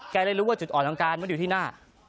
ได้รู้ว่าจุดอ่อนของการมันอยู่ที่หน้า